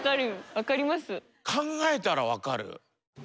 考えたらわかる？